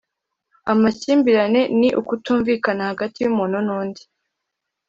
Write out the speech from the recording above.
amakimbirane ni ukutumvikana hagati y’umuntu n’undi